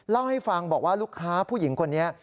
เล่าให้ฟังบอกว่าลูกค้าผู้หญิงคนนี้